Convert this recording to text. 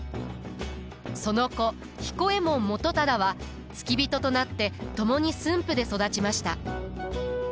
その子彦右衛門元忠は付き人となって共に駿府で育ちました。